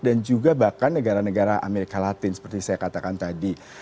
dan juga bahkan negara negara amerika latin seperti saya katakan tadi